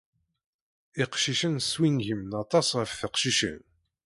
Iqcicen swingimen aṭas ɣef teqcicin.